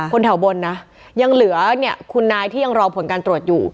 คนแถวบนนะยังเหลือเนี่ยคุณนายที่ยังรอผลการตรวจอยู่